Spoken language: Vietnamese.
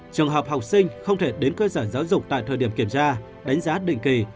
trường hợp học sinh không thể đến cơ sở giáo dục tại thời điểm kiểm tra đánh giá định kỳ